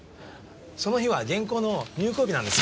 その日は原稿の入稿日なんです。